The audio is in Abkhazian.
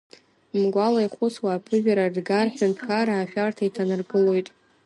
Мгәала ихәыцуа аԥыжәара ргар, ҳҳәынҭқарра ашәарҭа иҭанаргылоит.